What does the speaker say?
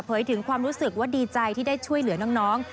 ถึงความรู้สึกว่าดีใจที่ได้ช่วยเหลือน้อง